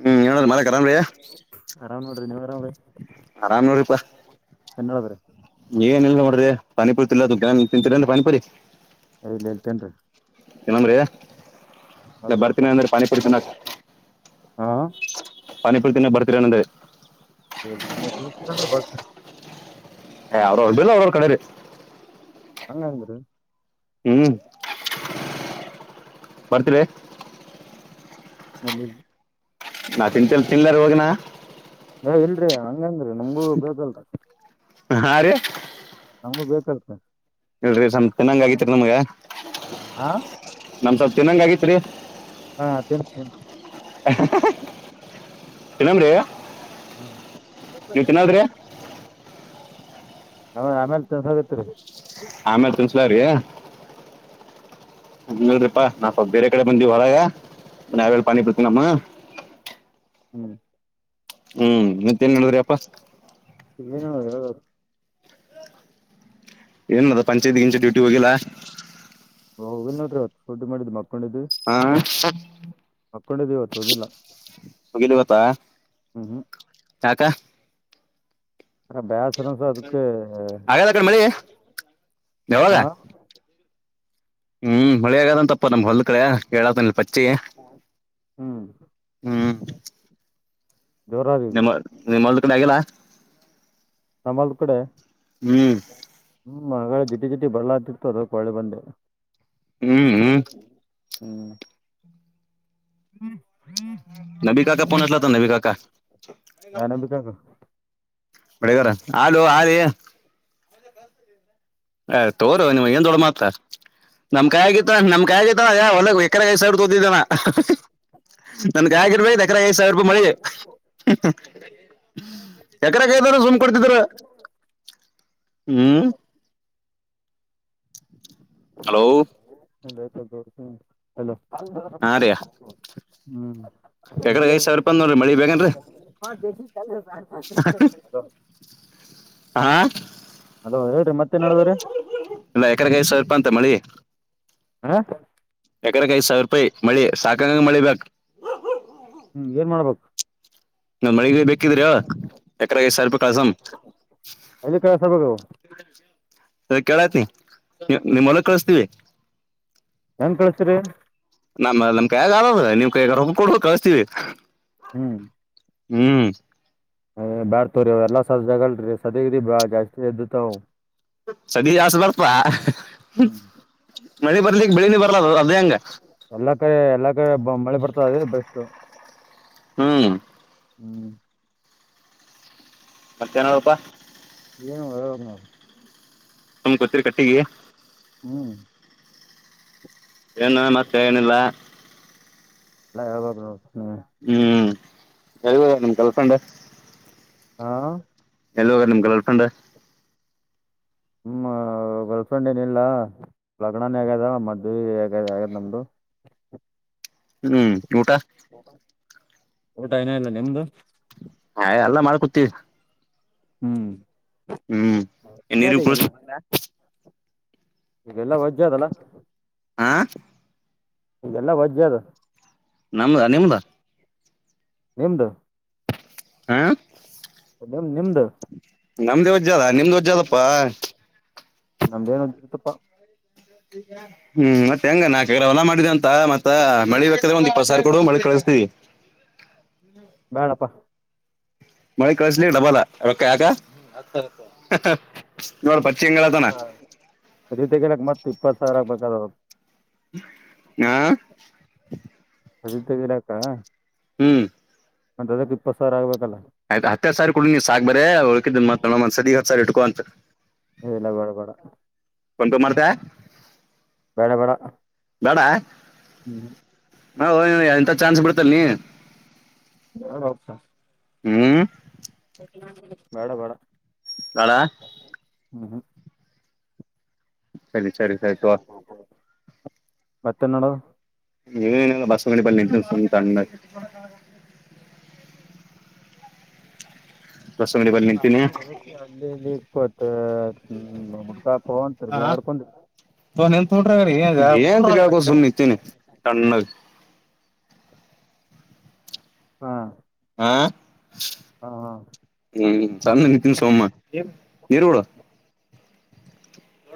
ಹ್ಮ್ ನಾದಿ ಮರಕ್ರಾಮ್ರೀ ನಾ ನೋ್ರಿ ನೀವು ಆರನೂರು ರೂಪಾಯ ಕನ್ನಳದ್ರ ಏನ್ಲ್ ಮಾಡ್ರಿ ಪಾನಿಪುರಿ ತಿಲ್ಲದು ತಿಂತೀರಿ ಪಾನಿಪುರಿ ಇಲ್ಲ ಹೇಳ್ತೇನ್ರಿ ಏನನ್್ರೀ ಇಲ್ಲ ಅಲ್ರಿ ಅಪ್ಪ ಬರ್ತೀನಿ ಅಂದ್ರೆ ಪಾನಿ ಪುಡ್ತಿನ ಹಾ ಪಾನಿ ಬರ್ತೀರ ಅನ್ನೆ ಂದ್ರೆ ಬ ಹ ಅವ್ರವ್ರ ಬಿಿಲ್ಲ ಅವ್ರವ್ರ ಕಡೆ ರೀ ಹಂಗಂದರು ಹ್ಮ್ ಬರ್ತೀರ ಅದ ನಾ ತಿಂತಲ್ ತಿನ್ಲಾರ ಹೋಗನಾ ಏ ಇಲ್ರಿ ನಂಗೇನ್ೀ ನಮ್ಗೂ ಬೇಕಲ್ರ ಹಾ ರೀ ನಮ್ಗೂ ಬೇಕಲ್ಸ ಇಲ್ರಿ ಸ್ ಚೆನ್ನಂಗ್ ಆಗತಿರಿ ನಮ್ಗ ಹಾ ನಮ್ ಸ್ವಲ್ಪ ತಿನ್ನಂಗ ಆಗೈತ್ರಿ ಹಾ ತಿನ್ ತಿ ಎಲ್ಲಮ್ರಾ ಹ್ಮ ಆ ಆಮೇಲ್ ತಸೋಗತ್ೀ ಆಮೇಲೆ ತಿಳ್ಸಲಾರೀಡ್ರಿಪಾ ನಾ ಬೇರೆ ಕಡೆ ಬಂದಿವವಿ ಹೊರಾಗ ಯಾವೇಳ ಪಾನಿ ಬಿಡ್ತೀ ನಮ್ಮ ಹ್ಮ್ ಹ್ಮ್ ಮತ್ತೇನ್ ಹೇಳುದ್ರಿ ಅಪ್ಪಾ ಏನು ಹೇಳ ಏನ್ ಮದ ಪಂಚಾಯತಿಗಿಂಚ ಡ್ಯೂಟಿ ಹೋಗಿಲ್ಲಾ ಹಓ್ ಇ ನಡ್ರರಿವತ್ತ್ತುದುಡ್ ಮಾಡ್ ಮಕ್ ಹಕ್ಕೊಂಡಿದ್ದ ಹಾ ಹಕ್ಕೊಂಡಿದ್ದೆ ಇವತ್ತು ಹೋಗಿಲ್ಲ ಮುೋಗಿಲಿ ಗತ್ತಾ ಹ್ಮ್ ಯಕ ಹ ಬಸರಸ ಅದಕ್ಕೆ ಆಗದ ಕಡೆ ಮಳಿ ಯಾವಾಗ ಹಾ ಹ್ಮ್ ಮಳೆಗದಂತಪ್ಪ ನಮ್ಗ್ ಹೊಲ್ ಕಡೆ ತನಲ್ ಪಚ್ಚಿ ಹ್ಮ್ ಹ್ಮ್ ಜೋರಾಗಿ ನಿಮ್ಮ ನಿಮ್ಮ ಕಡೆಾಗಲ್ಲ ನಮ್ಮಲ್ ಕಡೆ ಹ್ಮ್ ಹ್ಮ್ ಮಗಳೇ ಜಿಟ್ಟಿ ಜಿಟ್ಟಿ ಬರ್ಲಾತಿತ್ತು ಅದಕ್ಕೆ ಒಳೆ ಬಂದೆ ಹ್ಮ್ ಹ್ಮ್ ಹ್ಮ್ ಹ್ಮ್ ನವಿ ಕಾಕ ಪಚಲ ತ ನವಿ ಕಾಕ ಯಾನಂಬಿಕಾಗ ಹೊಡಗರ ಹಲೋ ಹ ರ ಅ ತೋರು ನೀವು್ಏನ್ ದೊಡ್ಡ ಮಾತ ನಮ್ಕಾಯಿ ಆಗತ್ತ ನಮ್ಕಾಯ ಆಗತಾನ ಯ ಹೊಲಗ ಎಕರೆಗಸರ್ ತೋದಿದ್ದಾನ ನನ್ಗ ಆಗಿರ್ಬೇಕ ಎಕ್ರ ಐದ್ ಸಾವಿರ ರೂಪಾಯಿ ಮಳೆ ಯಕರೆಕದಾರ ಝುಮ್ ಕೊಡ್ತಿದ್ರ ಹ್ಮ್ ಹಲೋ ಎ್ತ ಯಕಡೆ ಐದು ಸಾವಿರ ರೂಪ ನೋಡ್ರಿ ಮಳಿ ಬೇಕೇನ್ರರಿ ಹಾ ದಿ ಕಲ್ ಸಾ ಪಚ ರಪ ಹಾ ಅಲೋ ಹೇಳ್ರಿ ಮತ್ತೇನ್ಡದ್ರೀ ಇಲ್ಲ ಎಕರೆಗೈ ಸಾವಿ ರೂಪ ಅಂತ ಮಳಿ ಹಾ ಎಕಡಕ್ಕ ಐದು ಸಾವಿರ ರೂಪಾಯಿ ಮಳಿ ಸಾಕಂಗ ಮಳಿ ಬಕ್ ಹ್ಮ್ ಏನ್ ಮಾಡ್ಬೇಕು ನಾ ಮಳಿಗೆ ಬೇಕಿದ್ರಿ ಎಕರೆಗೆ ಸಾವಿರ ರೂಪಾಯಿ ಕಳಸಂ ಎಲ್ಲಿ ಕಳ್ಸಬೇಕು ಅದ ಕೇಳೈತಿನ ನಿಮ್ಮಲ್ಲ ಕಳಸ್ತೀವಿ ನನ್ ಕಳ್ಸ್ರರಿ ನಮ್ಮ್ ನಮ್ ಕೈ್ಯಾಗ ಆಗಬದ ನೀವ್ ಕೈಗ ರೋಗ ಕೊಡ್ಬೇಕ ಕಳಿಸತೀವಿ ಹ್ಮ್ ಹ್ಮ್ ಅ ಬೇಡ್ತ ತವ್ರರಿ ಅವ್ ಎಲ್ಲ ಸಜ ಜಗಳರೀ ಸದಗ್ರೀ ಬಾ ಜಾಸ್ತಿ ಎದ್ದತ್ವ ಸದಸ್ ಬಪಾ ಹ್ಮ್ ಮಳೆ ಬರ್ಲಿಕ್ಕೆ ಬೆಳೀನಿ ಬರಲ ಅದು ಅದ ಹಂಗ ಎಲ್ಲಾ ಕಡೆ ಎಲ್ಲಾ ಕಡೆ ಮಳೆ ಬರ್ತದ ಅದ್ರ ಬೆಸ್ಟ್ ಹ್ಮ್ ಹ್ಮ್ [unintelligible] ಏನು ಹೋಗ ನವು ತಮ್ ಕೊತ್ತರಿ ಕಟ್ಟಿಗೆ ಹ್ಮ್ ಏನು ಮತ್ತೆ ಏನಿಲ್ಲ ಎಲ್ಲಾ ಹೇಳ್ಬ ನವು ಹ್ಮ್ ಎಲ್ಲಿ ನಿಮ್ ಗರ್ಲ್ಫ್ರೆಂಡ್ ಹಾ ಎಲ್ಲ ಹೋಗಿದರೆ ನಿಮ್ ಗರ್ಲ್ಫ್ರೆಂಡ್ ಹ ಗಲ್ಫ್ರಂಡ್ ಏನಿಲ್ಲ ಲಗ್ನನ ಆಗ್ಯದ ಮದ್ವೆಗ ಆಗಾದ್ ನಮ್ದು ಹ್ಮ್ ಊಟ ಊಟ ಏನ ಇಲ್ಲ ನಿಮ್ದು ಹಾ ಎಲ್ಲ ಮಾಡ್ಕೊತವಿ ಹ್ಮ್ ಹ್ಮ್ ನೀರು ಅದೇ ಕೂರ್ಸಲ್ಲ ಇವೆಲ್ಲಾ ವಜ್ಜ ಅದಲ್ಲ ಹಾ ಎಲ್ಲ ವಜ್ಜ ಅದು ನಮದ ನಿಮ್ಮದ ನಿಮ್ದು ಹಾ ನಿಮ್ ನಿಮ್ದು ನಮ್ದೇ ವಜ್ಜಾಲ ನಿಮ್ದು ವಜ್ಜದ ಪ್ಪಾ ನಮ್ದೇನ್ದ್ರ್ತಪ್ಪಾ ಹ್ಮ್ ಮತ್ತೆ ಹೆಂಗ ನಾಕು ಕೆರೆ ಹೊಲ ಮಾಡು ಮತ್ತ ಮಳಿ ಅಂದ್ರೆ ಇಪ್ಪ ಸಾರ್ ಕೊಡು ಮಳಿ ಕಳಸ್ತವಿ ಹಣಪ್ಪಾ ಮಳಿ ಕಳಸ್ಲಿ ಡಬಲ್ ರೊಕ್ಕ ಯಾಕೋ ಹಾ ರೀತೆ ಕೆೇಳಕ್ ಮತ್ ಇಪ್ಪತ್ ಸಾವಿರ ಬಂದದವ ಹಾ ಅದಿದ್ದದರಾಕ್ಕ ಹ್ಮ್ ಅದಕ್ ಇಪ್ಪತ್ ಸಾವಿರ ಆಗ್ಬೇಕಲ್ಲ ಆಯ್ತು ಹತ್ತರಡ್ ಸಾವರ ಕೊ ಕುಡು ನೀ್ ಸಾಕ್ ಬರ್ರ ಕುಲ್ಕಿ ಸಾರಿ ನೋಡಮ್ಮ ಅಂತ ಸಾರಿ ಹಿಡ್ಕೋ ಅಂತ ಹಲ್ಲ ಬಡ ಬಡ ಫೋನ್ ಪೇ ಮಾಡ್ತೆ ಬೇಡ ಬೇಡ ಬೇಡ [inaudible] ನಾ ಹೋಗಿ ಹೋಗಿ ಎಂತ ಚಾನ್ಸ್ ಬಿಡತಲ್ ನೀ [unintelligible] ಹ್ಮ್ ಬೇಡ ಬೇಡ ಬೇಡ ಹ್ಮ್ ಹ್ಮ್ ಸರಿ ಸರಿ ಸರಿ ತೊ ಮತ್ತೆ ನೋಡು ತಣ್ಣ [inaudible] ಅಂಗಡಿ ಬಲ್ಲಿ ನಿಂತೀನಿ ಅಲ್ಲಿ ಇಲ್ಲಿ ಇಪತ್ ಹೊಸ ಫೋನ್ ತಿರುಗಾಡಕೊಂಡ ಪೋನ್ ಎಲ್ಲಿತೊಗಂಡಿರಿ ಹೇಳಿ ಸುಮ್ಮನೆ ನಿಂತನಿತಣ್ಣಗ. ಹಾ, ಹಾ, ಹ್ಮ ತಣ್ಣಗ ನಿಂತಿನಿ ಸುಮ್ಮಾ., ಏರುಳ [unintelligible]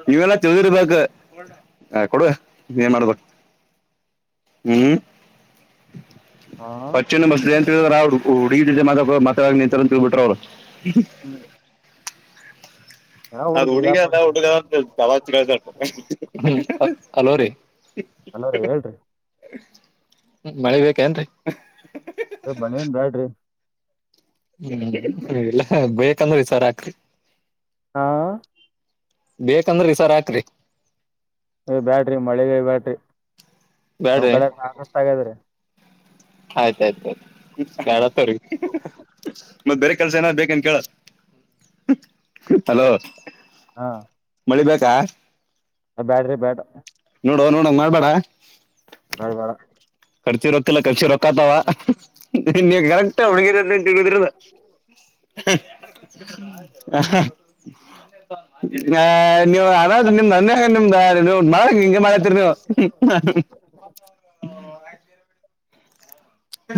ನೀವೆಲ್ಲಾ ತಿಳದಿರ್ಬೇಕ, ಕೊಡುವ ಏನ್ ಮಾಡ್ಬೇಕು. ಹ್ಮ್, ಹಾಂ ಪಂಚೆನ್ನು ಬಸ್ ಅಂತಿದ್ರ ಅವ್ರುಹುಡುಗಿ ಜೊತೆ ಮಾತಾ ಮಾತಾಡ ನಿಂತಾರ ಅಂತ ತಿಳ್ಬಿಟ್ರ ಅವರು. ಹ್ಮ್,, ಅದ್ ಹುಡುಗ ಪಡಿದ್ರಿ ಅಲ್ಲ ಅಂತ ಅವರಿಗೆ ಹಲೋ ರೀ [unintelligible] ಹಲೋ ರೀ,, ಮತ್ ಮಳೆ ಬೇಕ್ ಏನ್ರಿ,, ಮಳಿ ಎನ್ ಬ್ಯಾಡ್ರಿ, ಬಯೇಕಂದ್ರೆ ಈ ಸರ ಹಾಕ್ರಿ [unintelligible] ಹಾ,, ಬೇಕಂದ್ರ ಈ ಸರ ಹಾಕ್ರಿ, ಬ್ಯಾಡ್ರಿ ಮಳಿನೆ ಬ್ಯಾಡ್ರಿ ನಮ್ ಬ್ಯಾಡ್ರಿ ಕಡೆ ಸಾಕಷ್ಟ ಆಗದ್ರೀ. ಆಯ್ತಾಯ್ತಯ್ತು, ಬ್ಯಾಡಂತವರಿಗಿ. ಮತ್ತ ಬೇರೆ ಕೆಲಸ ಎನಾರ ಬೇಕೇನ್ ಕೇಳ್, ಹಲೋ ಹಾ,, ಮಳಿಬೇಕಾ,, ಬ್ಯಾಡ್ರಿ, ಬ್ಯಾಡಾ ನೋಡೋ, ನೋಡೋ ಹಂಗ ಮಾಡ್ಬೇಡ. ಬ್ಯಾಡ್, ಬ್ಯಾಡ ಕರ್ಚಿ ರೊಕ್ಕಿಲ್ಲ ಕರ್ಚಿಗಿ ರೊಕ್ಕತಾವ. ಇನ್ನ ಕರೆಕ್ ಒಣಗಿರ ತಿಳಿದ್ರ [unintelligible] ನೀವು [inaudible] ನಿಮ್ದ್ ಮನ್ಯಾಗ ನಿಮ್ದ ನೀ ಮಾಡ ಹಿಂಗ ಮಾಡತಿರಿ ನೀವು.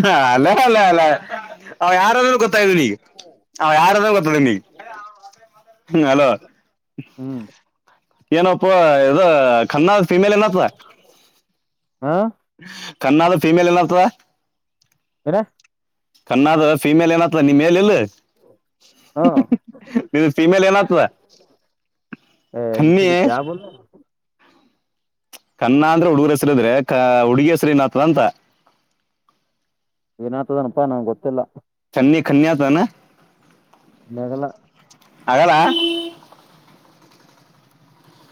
ಹಾ, ಅಲಾ, ಅಲ್ಲ, ಅಲೇ,, ಗೊತ್ತ ಯಾರಾದೂ ಗೊತ್ತ [unintelligible] ಹ್ಮ, ಅಲೋ ಹ್ಮ್ ಏನಪ್ಪ ಇದ ಖನ್ನ ಫಿಮೇಲ್ ಏನತ್ತ [unintelligible] ಹಾ ಕಣ್ಣಾಳ್ ಫೀಮೇಲ್ ಏನ್ತಂದ. ಹರ [inaudible] ಕಣ್ಣಾದ ಫೀಮೇಲ್ ಏನಾತ್ತದನಿನ್ ಮೇಲ್ ಇಲ್ಲ. ಹ್ಮ್ ಪಿಮೆಲ್ ಏನಾತದ., ಹ ಸಿ ಕ ಬ [inaudible] ಕನ್ನಾ ಅಂದ್ರೆ ಹುಡುಗರ ಹೆಸರುದ್ರೆ ಕ ಹುಡುಗಿ ಹೆಸರಿನತಾದಂತ. ಏನ ಆ್ತದನಪ್ಪಾ ನಮಗೆ ಗೊತ್ತಿಲ್ಲ ಅ ಕನ್ಯತ ನೆಗಲ ಹಾಗಲ್ಲ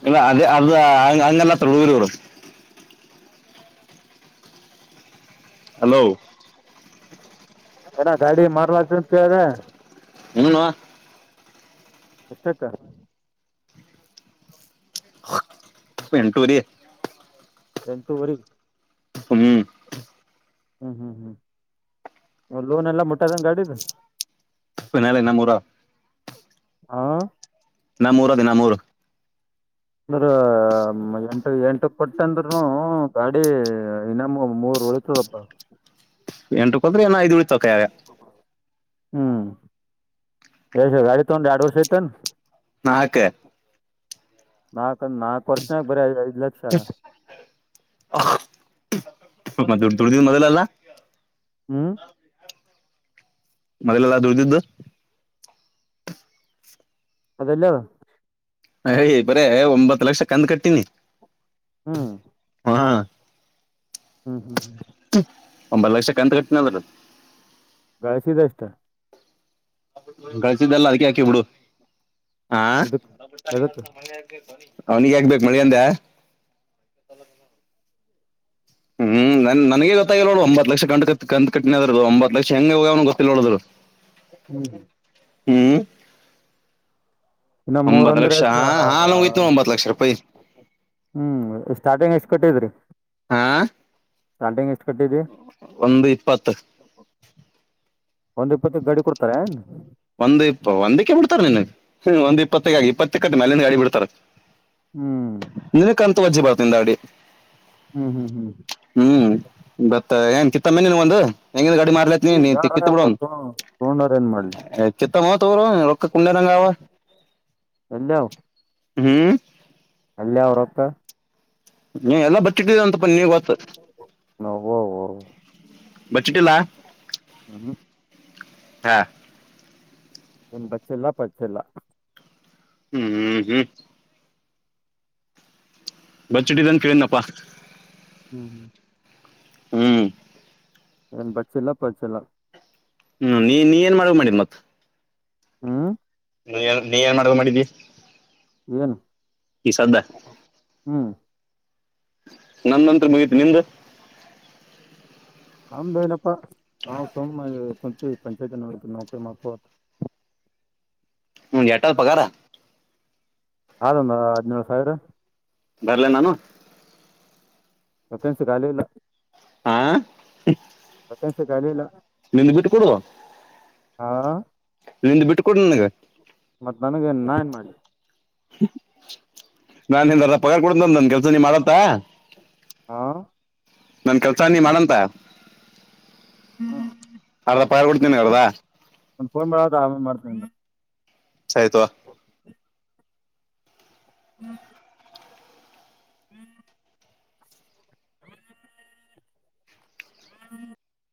ಇಲ್ಲ ಅದ ಅದು ಅಂಗಲ್ಲಂತಹುಡುಗರು ಇವರು, ಹಲೋ ಅಣ್ಣ ಗಾಡಿ ಮಾರಲತಿ ಅಂತ ಹೇಳಿದೆ. ಹ್ಮ್, ನೋ ಅಷ್ಟಕ್ಕ [inaudible] ಎಂಟುವರಿ, ಎಂಟುವರಿ, ಹ್ಮ್, ಹ್ಮ್, ಹ್ಮ್, ಹ್ಮ್ ಅಲೋನ್ ಎಲ್ಲ ಮುಟ್ಟದನ ಗಾಡಿದು. ಇ ನಳ ಇನ್ನ ಮೂೂರಾ [inaudible] ಹಾ, ನಾ ಮೂರು ಅದಿನ ಮೂರು ಅಂದ್ರ ಎಂಟ ಎಂಟ ಕೊಟ್ಟ ಅಂದ್ರ ಗಾಡಿ ಇನ್ನಮ್ಮ ಮೂರ್ ರಳಡಪ್ಪಾ ಎಂಟಕ್ಕ ಹದ್ರೆ ಏನ ಐದು ಉಳತಕಾಗ ಹ್ಮ್ ಎ ಗಾಡಿ ತೊಂಡ ಆಡು ವರ್ಷ ಇಐತ ನಾಕು ನಾಕ ನಾಕು ವರ್ಷನಕ ಬರೀಐ ಐದ್ ಲಕ್ಷ ದೊಡ್ಡ ದೊಡ್ಡ ದನ್ ಮೊದ್ಲಲ್ಲ ಹ್ಮ್ ಮನಲೆ ಎಲ್ಲ ದುಡ್ದಿದ್ದ ಅದಲ್ಲ ಯಿ ಬರೇ ಒಂಬತ್ ಲಕ್ಷ ಕಂದ್ ಕತೀನಿ ಹ್ಮ್ ಹ್ಮ್ ಹ್ಮ್ ಹ್ಮ್ ಒಂಬತ್ತು ಲಕ್ಷಕ್ಕಂತ ಕಟ್ಟನದ ಳಿಸಿದಷ್ಟ ಕಳಸಿದ್ದಲ್ಲ ಅದಕ್ಕೆ ಯಾಕಿ ಬಿಡು ಹಾ ಇದಕ್ ಬರಬ ವರ್ ಎದಕ್ ಅವನಿಗೆ ಯಾಗ್ಬೇಕೇು ಮಳ ಅಂದ್ಯಾ ಹ್ಮ್ ನನ್ ನನಗೆ ಗೊತ್ತಾಗಿಲ್ಲ ನೋ ಒಂಬತ್ತ್ತು ಲಕ್ಷ ಕಂಡ್ ಕ ಕ್ ಕಟ್ಟಿದದು ಒಂಬತ್ ಲಕ್ಷ ಹೆಂಂಗ ಹೋಗವ್ನು ಗೊತ್ತಿಲ್ಲೋರು ಹ್ಮ್ ಹ್ಮ್ ಇನ್ನ ಮೂರ್ ಒಂಬತ್ತು ಅಂದ್ರೆ ಲಕ್ಷ ಎಷ್ಟ ಹಾ ಹಾ ನೋಯತು ಒಂಬತ್ತು ಲಕ್ಷ ರೂಪಾಯಿ ಹ್ಮ್ ಸ್ಟಾರ್ಟಿಂಗ್ ಎಷ್ಟ್ ಕೊಟ್ಟಿದ್ರಿ ಆಾ ಸಟಂಗ ಎಷ್ಟ ಒಂದು ಇಪ್ಪತ್ತು ಒಂದ್ ಇಪ್ಪತ್ತ ಗಾಡಿ ಕೊಡ್ತಾರೆ ಒಂದ್ ಇಪ್ಪ ಒಂದಕ್ಕೆ ಬಿಡ್ತಾರ ನಿನ್ನ ಒಂದ ಇಪ್ಪತ್ತಕ್ಕಾಗಿ ಇಪ್ಪತ್ತ ಕಟ್ಟ ಮೇ ಅಲೆಿಂದ ಗಾಡಿ ಬಿಡ್ತಾರ ಹ್ಮ್ ನಿನಕಂತ ವಜ್ಜೆ ಬರ್ತಿಂದ ಅಡಿ ಹ್ಮ್ ಹ್ಮ್ ಹ್ಮ್ ಹ್ಮ ಬತ್ತ ಏನ್ ಕಿತ್ತಮ್ಮನಿ ನೀ ಒಂದ್ ಹೆಂಗನ್ ಗಾಡಿ ಮಾರ್ಲೈತ್ನ ಈ ನೀ ಕಿತ್ತ ಬಿಡೋ ಬ್ಯಾಡಪ್ಪ ತೊಂಡೋರ್ ಏನ್ ಮಾಡ್ಲಿ ಚಿತ್ತ ಮತ್ ಅವರು ರೊ ಕುಳ್ಳೆ ರಂಗಾವ ಹ್ಮ್ ಅಲ್ಲಿಯ ಅವ್ರ ಹೊತ್ರ ನೀ ಎಲ್ಲ ಬರ್ಟ್ಟಿಟ್ಟಿದ ಅಂತಪ್ಪ ನೀ ಗತ್ತು ಹ್ಮ ಹಾ ಬಚ್ಚೆಲ್ಲಾ ಪಚ್ಚೆಲ್ಲ ಹ್ಮ್ ಹ್ಮ್ ಹ್ಮ್ ಬ ಚಿಟ್ಟಿದನ್ ಕೇಳನಪ್ಪಾ ಹ್ಮ್ ಹ್ಮ್ ಹ್ಮ್ ಏನ್ ಬಚ್ಚಿಲ್ಲ ಪಚಿಲ್ಲ ಹ್ಮ್ ನೀ ನೀ ಏನ್ ಮಾಡ ಮಾಡಿದ್ ಮತ್ ಹ್ಮ್ ನೀ ನೀ ಏನ್ ಮಾಡ್ಬೇಕ ಮಾಡಿದಿ ಏನು ಈ ಸದ್ದ ಹ್ಮ್ ನಂದಂತತ್ರ ಮುಗತಿು ನಿಂದ ನಮ್ದು ಏನಪ್ಪಾ ನಾವು ಸೋಮ್ ಕುಂತ ಪಂಚಾಯತಿ ನೋ ನೌಕರಿ ಮಾಡ್ಕೋತ್ ಹ ಹಟಲ್ ಪಕಾರಾರ ಆದದಂದು ಹದ್ಿನೇಳಳ್ು ಸಾವಿರ ಬರ್ಲ ನಾನು ನ್ಸಗಾಲ ಇಲ್ಲ ಹಾ ಕನ್ಸ ಕಾಲ ಇಲ್ಲ ನಿಮ್ದ ಬಿಟ್ಟ ಕೊಡುುವ ಹಾ ನಿಂದು ಬಿಟ್ಟು ಕೊಡ ನನಗೆ ಮತ್ತ್ ನನಗೆ ನಾ ಏನ್ ಮಾಡಿ ನಾನ್ ಎಾರ ಪಾರ್ ಕೊಡ ನನ್ ಕೆಲ್ಸ ನೀ ಮಾಡತ್ತ ಹಾ ನನ್ ಕೆಲ್ಸ ನೀ ಮಾಡಂತ ಅರ್ಧ ಪಗಾರ ಕೊಡ್ತೀನಿ ನಿನಗ್ ಅರ್ಧ ಒ ಫೋನ್ ಮಾಡ ಆ ಮಾಡ್ತ ಸಹತವಾ ಹ್ಮ್ ಹ್ಮ್ ಹ್ಮ್